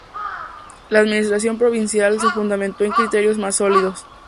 La Administración provincial se fundamentó en criterios más sólidos.